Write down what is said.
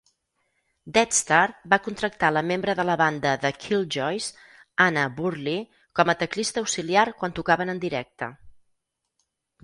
Deadstar va contractar la membre de la banda The Killjoys, Anna Burley, com a teclista auxiliar quan tocaven en directe.